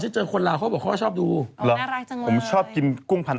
จากเวียดนามกับคุณหนุ่มโอ้ยอย่างไงติดตั้งฉะนั้นติดอยู่แล้ว